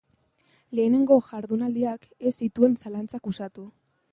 Lehenengo jardunaldiak ez zituen zalantzak uxatu.